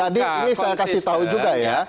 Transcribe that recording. jadi ini saya kasih tahu juga ya